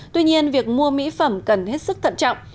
tuy nhiên việc mua mỹ phẩm cần hết sức thận trọng